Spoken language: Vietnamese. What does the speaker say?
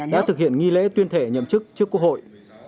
đã thực hiện nghi lễ tuyên th thể nhậm chức trước quốc hội